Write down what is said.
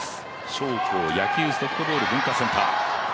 紹興野球ソフトボール文化センター。